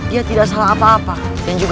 itu bukan urusanmu